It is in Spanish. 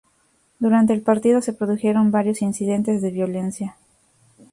Durante el partido se produjeron varios incidentes de violencia.